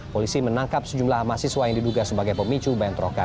polisi menangkap sejumlah mahasiswa yang diduga sebagai polisi